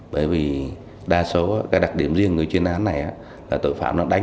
bởi vì đa số cái đặc điểm riêng của chuyên án này là tội phạm nó đánh